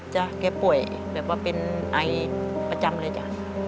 แกป่วยแบบว่าเป็นไอประจำเลยจ้ะ